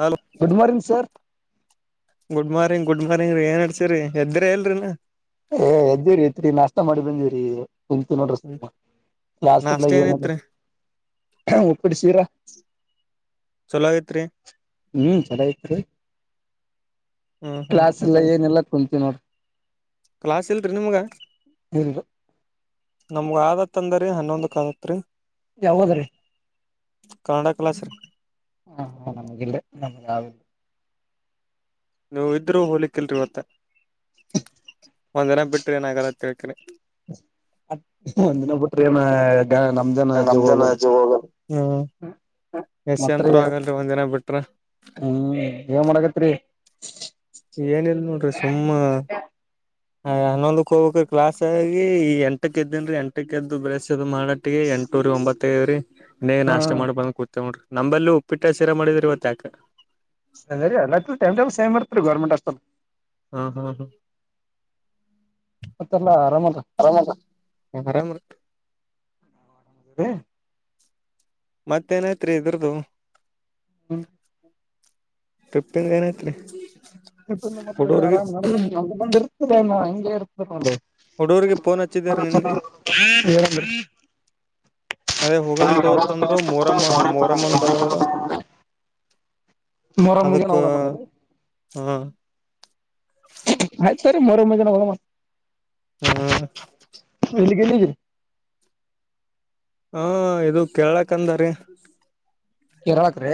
Hello good morning sir good morning good morning ರೀ ಏನ್ ಅಡ್ಸಿರರಿ ಎದ್ದ್ರ ಇಲ್ರಿನ ಏ ಎದ್ದಿವ್ರರಿ ಐತ್ರಿ ನಷ್ಟ ಮಾಡಿ ಬಂದಿವವ್ರಿ ಕುಂತ ನೋಡ್ರಿ ಸುಮ್ಮ ಕ್ಸ್ ನಾಷ್ಟ ಏನಲ್ಲ ಏನೈತ್ರಿ ಉಪ್ಪಿಡ್ ಸೀರ ಚಲೋ ಐತ್ರಿ ಹ್ಮ್ ಚೆನ್ನ ತ್ೀ ಹ್ಮ್ ಹ್ಮ್ ಕ್ಲಾಸ್ ಹ್ಮ್ ಎಲ್ಲ ಏನೆಲ್ಲ ಕುಂತೀವಿ ನೋಡ್ರಿ ಕ್ಲಾಸ್ ಇಲ್ರಿ ನಿಮ್ಗ ಇಲ್ ನಮ್ಗ ಆದತ್ ಅಂದರಿ ಹನ್ನೊಂದಕ್ದತ್ರಿ ಯಾವಾದ್ರಿ ಕಾಡ ಕಲಾಸರ್ ಹಾ ಹಾ ನಮಗಿಲ್ಲ ನಮಗೆಾವಿಲ್ಲ ನೀವು ಇದ್ರರು ಹೋಲಕ್ಿಲ್ರಿ ಗತ್ತ ಒಂದ್ ಜನ ಬಿಟ್ರಿ ಏನಾಗಲ್ಲ ಕೇಳ್ಕಿ ಮ ನಮ್ದೇನಜ್ಜ ನಮ್ದನ ಹೋಗಲ್ ಅಜ್ಜ ಹೋಗ ಹ್ಮ್ ಎಸ್ ಮತ್ತ ಅಂತರು ಆಗಲ್ರಿ ಒಂದಿನ ಬಿಟ್ರ ಹ್ಮ್ ಏ ಮಾಡಗತ್ರಿ ಏನಲ್ ನೋಡ್ರಿ ಸುಮ್ಮ ಹ ಹನ್ನೊಂದಕ್ಕೆ ಹೋಗಬೇಕ ಕ್ಲಾಸ್ ಆಗಿ ಈ ಎಂಟಕ್ಕೆದ್ದೇನ್ ಎಂಟಕ್ಕೆ ಎದ್ದು ಬ್ರಸು ಮಾಡಟ್ಟಿಗೆ ಎಂಟೂರೆ ಒಂಬತ್ತು ತ್ತೆವ್ರೀ ನೆ ಹಾ ನಾಷ್ಟ ಮಾಡಿ ಬಂದ್ ಕೂತೇವ ನೋರಿ ನಂಬಲ್ಲಿ ಉಪ್ಪಿಟ್ಟ ಸೀರ ಮಾಡಿದ್ರ ಇವತ್ ಯಾಕ [unintelligible] ಗರ್ಮಂಟ್ ಆಸ್ಪತ್ ಹ್ಮ ಹ್ಮ ಮತ್ತೆಲ್ಲಾ ಆರಾಮಲ್ಲ ಹ್ಮ ಹ ಆರಮ್ ಹ ಮತ್ತೇನೈತ್ರಿ ಇದ್ರದು ಹ್ಮ ಟ್ರಿಪ್ಪಿನ್ದ್ ಏನಾಯ್ತ್ರಿ ಮತ್ತೆ ಆರಾಮ್ ಬಂದ ಇರ್ ಹುಡುಗರ್ರಿಗೆ ಫೋನ್ ಹಚ್ಚಿದಾರ ನಿನ್ನೆ [unintelligible] ಅದೇ ಹೋಗಮ್ ತೋತಂದ್ರು ಮೊರಮ್ಮ ಮೊರಮ್ಮಂದ [unintelligible] [unintelligible] ನೂರಮ್ಮ ಜನ ಅದಕ್ಕ ಹೋಗ ಬಂದಾರೆ ಹಾ ಆಯ್ತರಿ ಮರ ಮಜೆನ ಒಗಮ ಹ್ಮ ಎಲ್ಲಿಗೆಲ್ಲಿಗೆ ಹಾ ಇದು ಕೇಳಕ್ಂದಾರಿ ಕರಳಕ್ ರೆ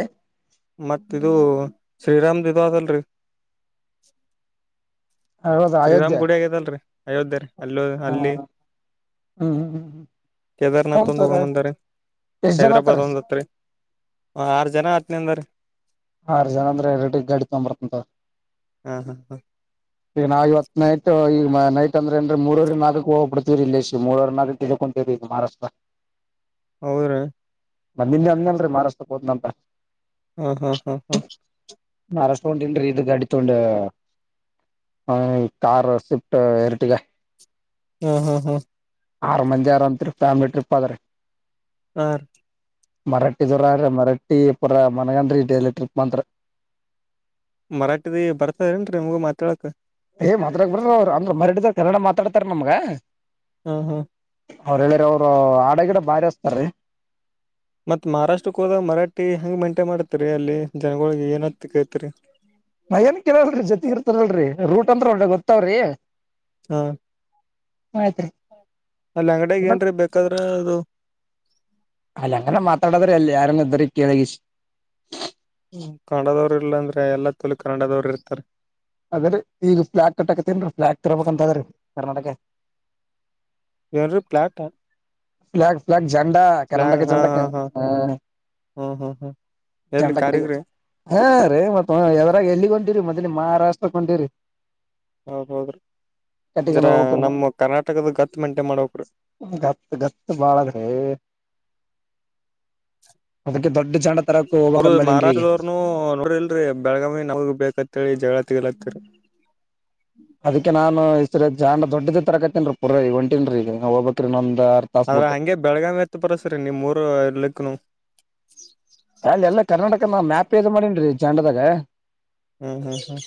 ಶ್ರೀರಾಮ ದಿವಾದಲ್ರಿ ಹೌದ ಶ್ರೀರಾಮ್ ಅಯೋಧ್ಯೆ ಗುಡ ಆಗದಲ್ರಿ ಅಯೋಧ್ಯೆ ರೀ ಅಲ್ಲೋ ಹಾ ಅಲ್ಲಿ ಹ್ಮ್ ಹ್ಮ್ ಹ್ಮ್ ಕೇದಾರ್ನಾಥ್ ಹ್ಮ್ ಒಂದ್ ಸರ್ ಆಯ್ತು ಹೋಗಂಬಂದಾರ ಎಷ್ಟ್ ಜನ ಆತಾರ ಹೈದ್ರಾಬಾದ್ ಒಂದ್ತ್ರಿ ಆರ್ ಜನ ನಂದರಿ ಆರು ಜನ ಅಂದ್ರೆ ಎರಟ ಗಾಡಿ ಹಾ ಹಾ ಹ ತೊಗಂಬರ್ತತೋರಿ ನಾವು ಇವತ್ ನೈಟ್ ಈಗ ನೈಟ್ ಅಂದ್ರೆ ಅಂದ್ರೆ ಮೂರವರಿ ನಾಲ್ಕ ಹೋಗ್ಬ ಬಿಡ್ತೀವರಿ ಇಲ್ಲೇಶ ಮೂರವರ ನಲ್ಕಕ್ ಇಕೊಂತೀವರಿ ಈಗ ಮಹಾರಾಷ್ಟ್ರ ಹೌದ್ರೀ ಮ ನಿನ್ನೆ ಅಂದಲ್ರೀ ಮಾರಾಷ್ಟಕ್ ಹೋದ್ನಂತ ಹ್ಮ್ ಹ್ಮ್ ಹ್ಮ್ ನಾರ ತಗೊಂಡನ್ರಿ ಇದು ಗಾಡಿ ತಗೊಂಡ ಕಾರ್ ಸ್ವಿಫ್ಟ ಎರಟಿಗ ಹಾ ಹಾ ಹಾ ಆರ ಮಂದಿ ಆರ ಅಂತೃ ಫ್ಯಾಮಿಲಿ ಟ್ರಿಪ್ ಆದರಿ ಆ ಮರಾಠಿ ದವರ್ರ ಮರಾಠಿ ಪುರ ಮನಗಂದ್ರ ಎಲೆಕ್ಟ್ರಿಕ್ ಮಂತ್ರ ಮರಾಠಿದಿ ಬರ್ತಾರೇನ್ ನಿಮ್ಗ ಮಾತಾಡಕ್ ಏ ಮಾತ್ರ ಬರ್ರ ಅವ ಅಂದ್ರ ಮರ ತರಡ ಮಾತಾಡ್ತಾರೆ ನಮ್ಗ ಹ್ಮ ಹ್ಮ್ ಅವ್ರ ಹೇಳಿರಿ ಅವರು ಹಾಡ ಗಿಡ ಬಾರಿ ಅಸ್ತಾರೀ ಮತ್ ಮಹಾರಾಷ್ಟ್ರಕ್ಕೆ ಹೋದಾಗ ಮರಾಿ ಹ ಹೆಂಗ ಮೈಂಟೈನ್ ಮಾಡ್ತರಿ ಅಲ್ಲಿ ಜನಗಳಿಗೆ ಏನತ್ತ ಕೈತಿರಿ ನಯನ್ ಕೇಳಲ್ರಿ ಜೊತೆ ಇರ್ತಾರಲ್ರರಿ ರೂಟ್ ಅಂತ್ರ ಒಳ್ಳೆ ಗೊತ್ತಾವ್ರೀ ಹಾ ಆಯ್ತ್ರಿ ಅಲ್ಲಿ ಅಂಗಡಿಯಾಗ ಏನ್ರೀ ಬೇಕಾದ್ರ ಅದು ಅಲ್ಲ ಅಂಗ ಮಾತ್ರಲ್ಲದ್ರ ಅಲ್ಲ ಯಾರಂದ ಕ ಲಗಿಸಿ [unintelligible] ಹ್ಮ ಕನ್ನಡದವ್ರ ಇಲ್ಲಾಂದ್ರೆ ಎಲ್ಲ ತಲ ಕನ್ನಡದವ್ರ ಇರ್ತಾರೆ ಅದ್ರೀ ಈಗ ಫ್ಲಾಗ್ ಕಟ್ಟಾಕತ್ತೇನ್ೀ ಫ್ಲಾಗ್ ತರಬೇಕಕ್ಂತದ್ರೀ ಕರ್ನಾಟಕ ಇಂದ್ರಿ ಪ್ಲಾಟ್ಾ ್ಲಾಗ್ಫಲಾಗ್ ಜಂಡಾ ಕೆರಂಡ ಹಾ ಜಂಡ ಹಾ ಹಾ ಹ ಹ್ಮ್ ಹ್ಮ್ ಹ್ಮ್ ಎಲ್ಲಿ ಜಂಡ ಕಡೆ ಕಾರಿಗ್ರಿ ಹಾ ರೀ ಮತ್ತದರಾಗ ಎಲ್ಲಿಗೊಂಡಿರಿ ಮೊದ್ಲಿ ಮಹಾರಾಷ್ಟ್ರಕಂಟಿರಿ ಹ ಹೌದ್ರೀ ಇದರ ಹೋಗ್ಬೇಕ ನಮ್ಮ ಕರ್ನಾಟಕದ ಗತ್ತು ಮೇಂಟೈನ್ ಮಾಡಕ್ ರೀ ಗತ್ತು ಬಾಳದ್ರೆ ಅವರು ಹೋಗ್ಬೇಕಂದ್ ಮಾಡೇನ್ರಿ ಈಗ ಮಹಾರಾಷ್ಟ್ರದವ್ರನು ನೋಡ್ರಲ್ರಿ ಬೆಳಗಾವಿ ನಾವ ಬೇಕತಿ ಳಿ ಜಗಳತ್ತಲ್ಲತ್ತರ ಅದಕ್ಕೆ ನಾನುಸ ಜಂಡ ದೊಡ್ಡದ ತರಗತನ್ ಪುರ ಹೊಂಟಿನ್ ಈಗ ಹೋಗಬಬೇಕಕ್ರಿ ನೊ್ ಆದದ್ರ ಹಂಗೆ ಬೆಳಗಾವಿ ಎತ್ ಬರಸ್ರೀ ನೀವು್ ಮೂರು ಇರ್ಲಿಕ್ಕನು ಅಲ್ಲ ಎಲ್ಲಾ ಕರ್ನಾಟಕ ನಾವ್ ಮ್ಯಾಪ ಇದು ಮಾಡೇನ್ೀ ಚಂಡದಾಗ ಹ್ಮ್ ಹ್ಮ್ ಹ್ಮ್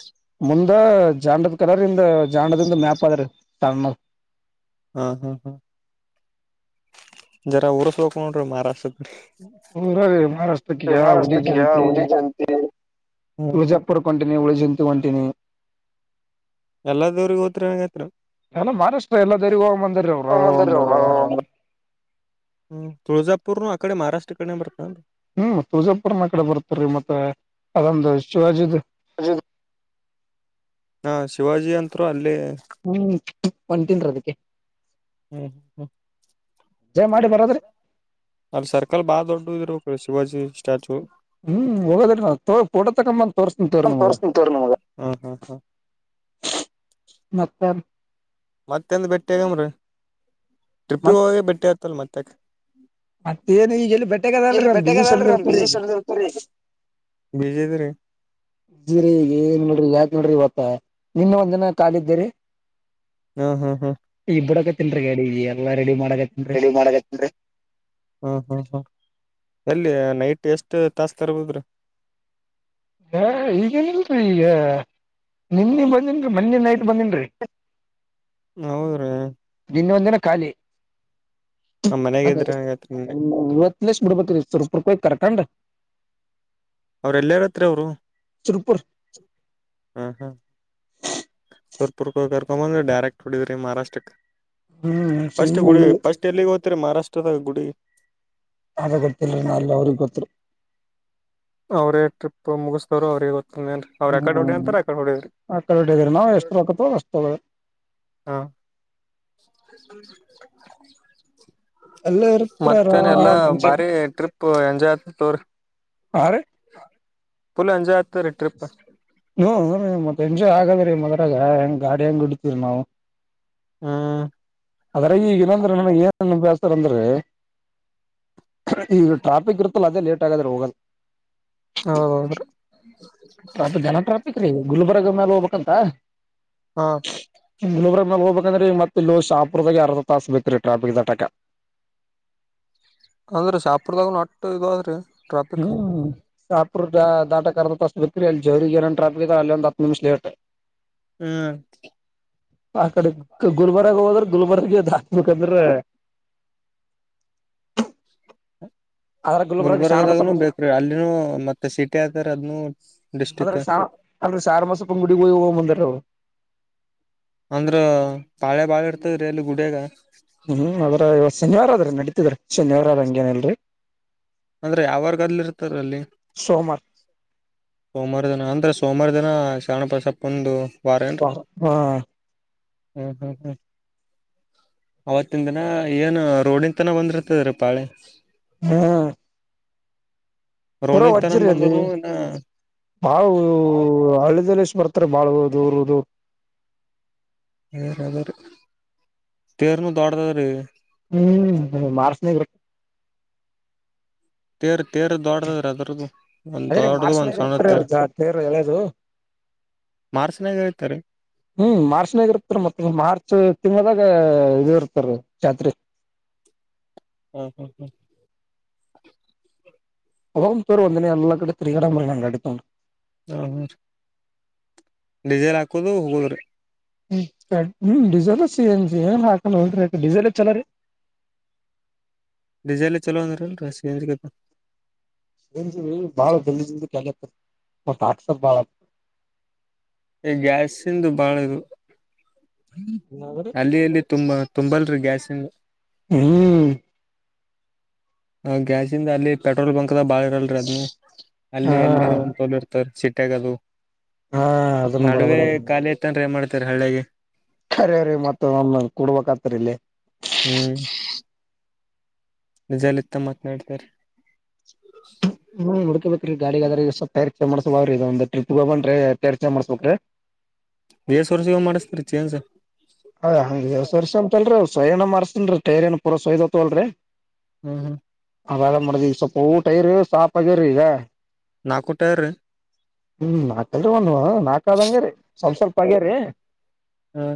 ಜಾಂಡದ್ ಕಲರ್ ಇಿಂದ ಜಾಂಡದಿಂದ ಮ್ಯಾಪ್ ಅದ್ರ ಸಣ್ಣ ಹ್ಮ್ ಹ್ಮ್ ಹ್ಮ್ ಜರ, ಊರ್ಸ್ ಬೇಕು, ನೋಡ್ರಿ ಮಹಾರಾಷ್ಟ್ರ. [inaudible] ಮ್ಮ್, ರಿ ಮಹಾರಾಷ್ಟ್ರಕ್ಕೆಇಗ, ಉಲಿ ಮಹಾರಾಷ್ಟ್ರಕ್ಕೆ ಯಾವ ಜಂತಿ ಹುಲಿ ಜಯಂತಿ ಹ್ಮ್ ತುಳಜಾಪುರ, ಬಂಟಿ.. [inaudible] ಟ ಉಳ ಜಂತು ಒಂಟಿನ ಎಲ್ಲ ದೇವ್ರಿಗೆ ಹೋದ್ರ ಹಂಗತ್್ಮ ಎಲ್ಲ ಮಹಾರಾಷ್ಟ್ರ ಎಲ್ಲ ದರಿಗ್ ಹೋಗ್ ಬಂದಾರಿ ಅವ್ರು ಒಂದು ತುಳಸ ಪೂರ್ವ, ಆ ಕಡೆ ಮಹಾರಾಷ್ಟ್ರ ಕಡೆ, ಬರುತೇನೂರಿ.. [inaudible] ಹ್ಮ್, ತೂಜಾಪುರ್ನ ಕಡೆ ಬರ್ತ್ರೀ! ಮತ್ತೆ ಅದೊಂದು ಶಿವಾಜದು! [inaudible] ಹ ಹಾ, ಶಿವಾಜಿ ಅಂತರು! ಅಲ್ಲೆ.. [inaudible] ಹ್ಮ್ ಒಂದ್ತನ್ರ ಅದಕ್ಕೆ ಹ್ಮ್ ಹ್ಮ್ ಮಾಡಿ ಬರೋದ್ರಿ ಅಲ್ಲಿ ಸರ್ಕಲ್ ಬಾಳ ದೊಡ್ಡ ಇರಬೇಕು ಶಿವಾಜಿ ಸ್ಟ್ಯಾಚು ಹ್ಮ್, ಹೋಗದಿ ತಕೊ ಪೋಟೊ ತಾಕೋಬಂದ ತೋರಿಸ್ತೀನಿ ನಿಮಗ ತೋರ್ಸ್ತನ್ ತೋರಿ ನಿಮಗ ಹಾ ಹಾ ಹಾ ಮತ್ತ ಮತ್ತೆ ಹೇಳಿ ಬಿಟ್ಟು ಹೇಳಿ ಟ್ರಿಪ್ಗೆ ಹೋಗಿ ಬಿಟ್ಟೆ ಮಾತಾಲ್ ಮಾತೇಕೆ ಮತ್ತೇಏನ್ ಈಗ ಎಲ್ಲಿ ಬಟೆಗ ಅದಲ್ರಿ ನಮ್ ಬಿಸಿ ಬೆಟ್ಟೆಗದಲ್ರಿ ಸ್ಕೀಡೆಲ್ ನಮ್ ಬಿಸಿ ಇರುತ್ತೆ ಸಡದರ್ತರಿ [inaudible] ಜೀರಿ ಈಗ ಎಲ್ಲಿ ನೋಡಿ ಯಾಕ್ ನೋಡ್ರಿ ಮತ್ತ ನೆನ್ನೆ ಒಂದಿನ ಕಾಲಿದ್ದೀರಿ ಹಾ ಹಾ ಹಾ ಇಬುಡಕತಿನ್ರೀ ಗಾಡಿನ ಎಲ್ಲ ರೆಡಿ ಮಾಡ ರೆಡಿ ಮಾಡಕತಿನ್ರಿ. ಅಲ್ಲಿ ನೈಟ್ ಎಷ್ಟು ತಾಸ್ ತರಬೇಕು ರೀ ಹ ಈಗೇನಿಲ್ರರಿ ಈಗ ನಿನ್ನ ಬಂದನ್ರಿ ಮೊನ್ನೆ ನೈಟ್ ಬಂದನ್ರರಿ ಹೌದ್ರೀ ಇನ್ನೊಂದಿನ ಖಾಲಿ ನಮ್ ಮನ್ಯಾಗ ಇದ್ರಿ ಹಂಗೈತ್ರಿ ನಿನ್ನೆ ಇವತ್ ಲಷ್ಟ ಬಿಡ್ಬೇಕ ಸರ್ಪುರ್ಕಯ ಕರ್ಕಂಡ್ರ ಅವ್ರೆಲ್ಲಾರ ಹತ್ರ ಅವ್ರು ಸುರ್ಪುರ್ ಹ್ಮ ಹ್ಮ ಸುರಪುರ್ ಕರ್ಕೊಂಬಂದ್ರ ಡೈರೆಕ್ಟ್ ಹೊಡಿದ್ರಿ ಮಹಾರಾಷ್ಟ್ರಕ್ ಹ್ಮ್ ಮಹಾರಾಷ್ಟ್ರದ ಗುಡಿ ಅದು ಗೊತ್ತಿಲ್ಲ ಅವ್ರಿಗೆ ಗೊತ್ತು ಅವ್ರೇ ಟ್ರಿಪ್ ಮುಗಿಸ್ತಾರರು ಅವ್ರಿಗೆ ಗೊತ್ತ ಹ್ಮ ಆಕಡೆ ಹೋಡಿನಾ ಎಷ್ ತಕೊತಾರೆ ಅಷ್ಟು ರೀ ಹ ಇರ್ತರ ಮತ್ತೇನ ಎಲ್ಲಾ ಆರಾಮ್ ಎಂಜಾಯ್ ಬಾರಿ ಟ್ರಿಪ್ ಎಂಜಾಯಗುತೇ ತಾಕೊಳ್ರಿ ಹಾ ರೀ ಫುಲ್ ಎಂಜಾಯ್ ಆತರಿ ಟ್ರಿಪ್ ಹ್ಮ ಮತ್ತೆ ಎಂಜಾಯ್ ಆಗ ಮದ್ರಾಗ ಹೆಂಗ್ ಗಾಡಿ ಹೆಂಗ್ ಹಡಿತೀರಿ ನಾವು ಹ್ಮ್ ಆದರೆ ಈಗ ಇಲ್ಲಂದ್ರೆ ನನಗೆ ಏನ್. ಅಂದ್ರಿ ಈಗ ಟ್ರಾಫಿಕ್ ಇರುತಾ ಅದೇ ಲೇಟ್ ಆಗಾದ್ರೆ ಹೋಗಲ್ ಹೌದ ಟ್ರಾಫಿಕ್ರಿ, ಗಾನ, ಟ್ರಫಿಕ್ ರೀ! ಗುಲ್ಬರ್. [inaudible] ಇನು ಮೇಲೆ ಹೋಗ್ಬೇಕಂತ [inaudible] ಹ ಹ್ಮ್ ಒಬ್ಬರ ಮೇಲೆ ಒಬ್ಬರು [inaudible] ಅದರಲ್ಲಿ ಮತ್ತೆ ಲುಸ್ಸು [inaudible] ಅಂದ್ರೆ ಶಾಪುರ್ದಾಗ ನಟ್ಟು ಇದು ಅದ್ರೀ [inaudible] ಹ್ಮ [inaudible] [unintelligible] ಸಪುರ್ ದಾಟ ಫಸ್ಟ್ ಅಲ್ಲಿ ಜೋರು ಟ್ರಾಫಿಕ್ ಅಲ್ಲಿ ಒಂದು ಹತ್ತು ನಿಮಿಷ ಲೇಟ್ [unintelligible] ಹ್ಮ್ ಆ ಕಡೆ ಗುಲ್ಬರ್ಗ್ ಹೋದ್ರೆ ಗುಲ್ಬರ್ಗಗೆ ಹಾಕ್ಬೇಕಂದ್ರೆ [inaudible] ಗುಲ್ಬರ್ಗದಾಗನುೂ ಗುಡಿ ಬೇಕ್ರೀ ಅಲ್ಲಿನೂ ಮತ್ತೆ ಸಿಟಿ ಆಯತರಿ ಅದನು ಅದ್ರ ಡಿಸ್ಟ್ರಿಕ್ ಶಾಣ ಅಲ್ರಿ ಶಾಣ ಬಸಪ್ಪ ಗುಡಿಗೆ ಹೋಗಿ ಹೋಗ್ ಬಂದಾರ ಅವ್ರು ಅಂದ್ರ ಬಾಳೆ ಬಾಳ ಇರ್ತದ್ರಿ ಅಲ್ಲಿ ಗುಡಿಯಾಗ [inaudible] ನಡತಿದ್ರೀ ಶನಿವಾರ ಹಂಗೇನಲ್ರರಿ [inaudible] ಅಂದ್ರೆ ಯಾವರ್ಗ ಅಲ್ಲಿ ಇರ್ತಾರೆ ಅಲ್ಲಿ ಸೋಮವಾರ [inaudible] ಸೋಮವಾರ ದಿನ ಅಂದ್ರೆ ಸೋಮವಾರ ದಿನ ಸಣ್ಣ ಬಸಪ್ಪನದು [inaudible] ಹಾ ಹಾ [inaudible] ಹ್ಮ್ ಹ್ಮ್ ಹ್ಮ್ ಅವತ್ತಿನ ದಿನ ಏನು ರೋಡನ್ ತನ ಬಂದಿರ್ತದ ರೀ ಪಾಳೆ [unintelligible] ಹ್ಮ್ ಪೂರಾ ರೋಡಿನ ತನ ವಜ್ಜ್ರಲ್ಲಿ ಬಂದ್ರನು ಇನ್ನ ಬಾವು ಹಳ್ಳದಲ್ಲಿಷ್ಟ [inaudible] ಬರ್ತಾರೆ ಬಾಳ್ದುೂರುದು [unintelligible] ಹ್ಮ್ ಆಧೇರಿ ತೇರುಣು ದಾಟ್ಟುಧಾರಿ. [inaudible] ಹ್ಮ್ ಹ್ಮ ಮಾಡಿಸಲೇಬೇಕು.. [inaudible] [unintelligible] ತೇರು [inaudible] ಅದೇ ದೊಡ್ಡದು ಒಂದ್ ಮಾರ್ಚ್ನಾಗ ಸಣ್ಣ ತೇರ್ ಇರುತ್ತರಿವ ಎದು ಮಾರ್ಚ್ನಾಗ ಐತರಿ ಹ್ಮ್ ಮಾರ್ಚ್ನಾಗ ಇರುತ್ತರಿ ಮತ್ತ ಮಾರ್ಚ್ ತಿಮ್ಮದಾಗ ಈ ಇರ್ತಾರ ಜಾತ್ರಿ ಹ್ಮ ಹ್ಮ ಹ್ಮ [unintelligible] ಅವ ತೇರು ಒಂದನ ಎಲ್ಲ ಕಡೆ ತಿಗಡ ಅಡತ ಹ್ಮ ಹ್ಮ ಡಿಸೇಲ್ ಹಾಕೋದು ಹೋಗೋದ್ರಿ ಹ್ಮ ಡೀಸೆಲ್ ಸಿ [unintelligible] ನ್ ಏನ್ ಹಾಕ ಹೋದ್ರಿ ಡೀಸೆಲ್ಲ ರರಿ [unintelligible] ವಿಜ ಚಲೋಕೇಂದ ಬಾಳ ಬೆಲ್ಲಿ ಕೆ [unintelligible] [unintelligible] ಕ್ಸರ್ ಬಳ ಈ ಗ್ಯಾಸ್ ಇಂದು ಬಾಳದು ಏನಾದ್ರಿ ಅಲ್ಲಿ ಅಲ್ಲಿ ತುಂಬಾ ತುಂಬಲ್ ರೀ ಗ್ಯಾಸಿನ ಹ್ಮ್ ಹ ಗ್ಯಾಾಸಂದ ಅಲ್ಲಿ ಪೆಟ್ರೋಲ್ ಬಂಕ್ ದ ಬಾಳ ಇರಲ್ರಿ ಅದ್ ಹಾ ಅಲ್ಲಿ ಎಲ್ಲರ ಒಂದ ತೋಲ್ ಇರ್ತಾರ ಸಿ ಕಟ್ಟೆಗಗಳು ಹಾ [unintelligible] ಅದನ್ನು ನಡುವೆ ಬರಬರ ಖಾಲಿ ಐತನ್್ರ ಮಾಡ್ತ ತ್ತರ ಹಳ್ಳೆಗೆ ಕರಿವರಿ ಮತ್ತ ಒ ಕು ಕೊಡ್ಬೇಕ ರಿಲ್ಲ ಹ್ಮ್ ನಿಜಲ್ತ್ತ ಮಾತ್ನಾಡ್ತಾರ ಹ್ಮ್ ಹುಡ್ಕಬೇಕಕ್್ರೀ ಗಾಡಿಿಗೆದ್ರರ್ಚ ಮಾಡ್ಸಬ್ರೀ ಇದ ಒಂದು ಟ್ರಿಪ್ಗೆೋಗ ಬನ್್ರಿ ಪೇರ್ಚೆ ಮಾಡ್ಸ್ಬೇಕ್ರೀ ಬೇಸ ವರ್ಸಗ ಮಾಡಸ್ತರಿ ಚೇಏನ್ಸ ಹ ಹಸ ವರ್ಷ ಅಂತಲ್ರಿ ಸೋಯಣ್ಣ ಮಾರ್ಸ್ತೇನ್ೀ ಟೈರ್ಏ ಪೂರಾ ಸಯದ ಹತವಲ್ರರಿ ಹ್ಮ್ ಹ್ಮ್ ಅವಾರ ಮಾಡ್ದ್ ಈಗ ಸ್ವಲ್ಪ ಊಟ ಇರ ಸಾಪ್ ಆಗ್ಯರ ಈಗ ನಾಕಟಾರ ಹ್ಮ್ ನಾಕಲ್ರಿ ಒಂದು ನಾಕಕ್ದಂಗ್ಯರಿ ಸ್ವಲ್ಪ ಸ್ವಲ್ಪ ಆಗ್ಯರಿ ಹ್ಮ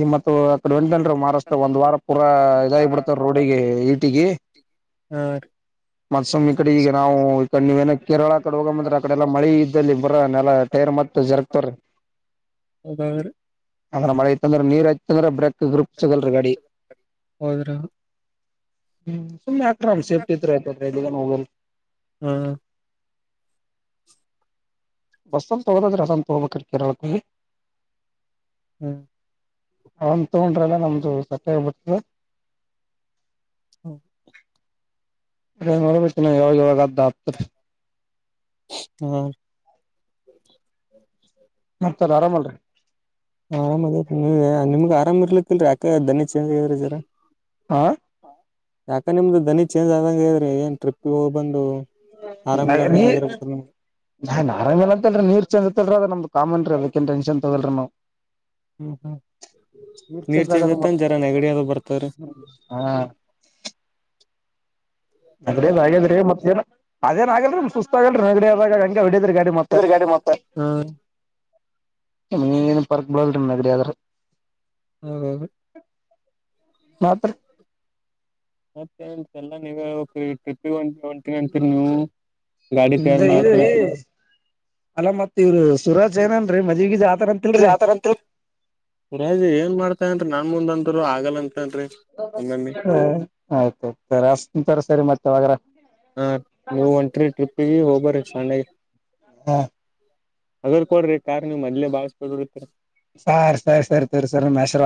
ನಿಮ್ಮ ಆತು ಆಡೆ ಒಂದ ಮಾರಸ್ತ ಒಂದ ವಾರ ಪೂರ ಇದಾಗಿ ಹಾ ಬಿಿಡ್ತಾರೆ ರೋಡಿಗೆ ಇ ಟ್ಟಿಗೆ ರೀ ಮತ್ಸೊಮ್ ಈ ಕಡೆ ಈಗ ನಾವು ಈಡೆ ನೀವೇನ ಕೇರಳ ಕಡೆ ಹೋಗಂದ್ರೆ ಆಕಡೆಲ್ಲಾ ಮಳೆ ಬರ ನೆಲ ಟೈರ್ ಮತ್ತ ಜರಗ್ತವೀ ಅವರು ಅದ್ರ ಮಳೆಐತ ಅಂದ್ರ ನೀರ್ ಯಐತ ಅಂದ್ರ ಬ್ರಕ್ ಹದ್ರ ಹ್ಮ್ ಸುಮ್ಮ್ನೆ ಆ ರಾಮ ಸೇಫ್ಟಿ ನೋಬಲ್ ಹ್ಮ ಬಸ್ಸಲ್ ತಗೋದದ್ರೀ ಅಸಂತ ತಗೋಬೇಕ್ರೀ ಕೇರಳಕ್ಕಿ ಹ್ಮ್ ಅವನ್ ತಗೊಂಡ್ರಿಲ್ಲ ನಮ್ದು ಸಟ್ಟಬರ್ತದೆ ಹ್ಮ ಮರನ ಯಾಗ್ದ ಹತ ಹಾ ಮತಾರ ಆರಾಮಲ್ರಿ ನೀ ನಿಮ್ಗ್ ಆರಾಮ್ ಇರ್ಲಿಕ್ಕಿಲ್ರರಿ ಯಾಕೆ ದಧನಿ ಚೇಂ್ ಆಗ್ರ ಜರಾ ಆಾ ಯಾಕ ನಿಮ್ದು ದ್ನಿ ಚೇಂಜ್ ಆದಂಗ ಇದ್ರಿ ಏನ್ ಟ್ರಿಪ್ಗೆ ಹೋಗ್ ಬಂದು ಆರಾಮ್ ನೀ ಇಲ್ಲಾರ್ದಂಗ ಆಗಿರ್ಬೇಕ ನಿಮ್ಗೆ ನಾನ್ ಆರಾಮೇ ಅಂತಲ್ರಿ ನೀರ್ ಚಂದತ್ತಲ್ರಿದ ನಮ್ದ ಕಾಮನ್ರಿ ಅದಕನ್ ಟೆನ್ ತಗದಲ್ರಿ ನಾವು ಹ್ಮ್ ಹ್ಮ್ ನೀರ್ ಚೇಂಜ್ ಆತ ಜರ ನೆಗಡದ ಬರ್ತವರಿ ಹಾ ನದದ ಹಾಗ್ಯದ್ರ ಮತ್ತೇಏ ಅದೇನ್ ಆಗಲ್ರಿಮ್ ಸುತಗಲ್ರಿ ನಗ ಆದ ಹಂಗ ಹೊ ಡಿ ಮತ್ತ ಇದ್ರ ಗಾಡಿ ಮತ್ತ ಹಾ ಪರ್ಕ್ ಬಳಲ್ ನಗಡ ಆದ್ರ ಹ್ಮ ಮಾತ್ರ ಮತ್ತೆ ಲ್ಲ ನೀವೇ ಹ ಒ ಒಂತ ನಂತ ನೀವು ಗಾಡಿ ಇ ತಯಾರ್ ಮಾಡತ್ತನತ್ರಿ ಅಲ್ಲ ಮತ್ ಇವರು ಸುರಾಜ್ ಏನನ್ ಮದ್ಗ ರಾಜ ಏನ್ ಮಾಡ್ತಾ ಅಂದ ನಾ ಮುಂದಂತರು ಆಗಲ್ಲ ಅಂತನ್ರಿ ಒಮ್ಮಮ್ಮಿ ಹ ಆಯ್ತ ಆಯ್ತರಷ್ಟ ತರ ಸರಿ ಮತ್ತೆ ಅವಾಗ ಹ ನೀವು ಒಂಟ್ರೀ ಟ್ರಿಪ್ಗೆ ಹೋಗ ಬರ ಸ್ಣ ಹಾ ಅಗರ್ ಕೊಡ್ರಿ ಕಾರ್ ನೀವು ಮದ್ಲಲೆ ಬಾಳಸ್ಕ ಬಿಡ್ಡತೀರಿ ಸರಿ ಸರಿ ಸರಿ ಸರಿ ಸರಿ ನ ಶರ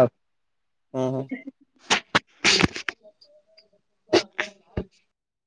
ಹ್ಮ್ ಹ್ಮ್ [unintelligible]